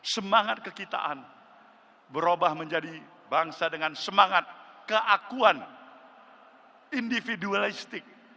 semangat kekitaan berubah menjadi bangsa dengan semangat keakuan individualistik